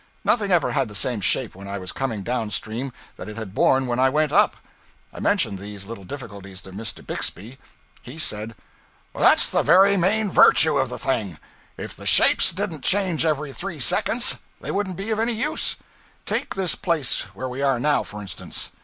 Nothing ever had the same shape when I was coming downstream that it had borne when I went up. I mentioned these little difficulties to Mr. Bixby. He said 'That's the very main virtue of the thing. If the shapes didn't change every three seconds they wouldn't be of any use. Take this place where we are now, for instance.